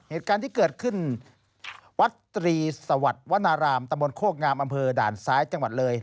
เหตุการณ์ที่เกิดขึ้นวัดตรีสวัสดิวนารามตะบนโคกงามอำเภอด่านซ้ายจังหวัดเลย